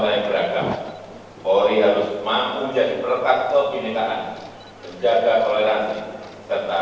dan dengan prosedur yang jelas